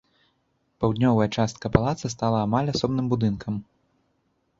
Паўднёвая частка палаца стала амаль асобным будынкам.